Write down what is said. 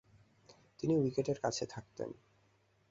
তিনি উইকেটের কাছে থাকতেন।